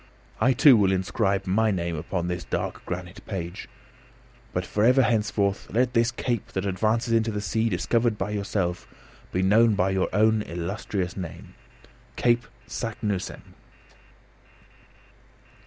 I too will inscribe my name upon this dark granite page. But for ever henceforth let this cape that advances into the sea discovered by yourself be known by your own illustrious name Cape Saknussemm."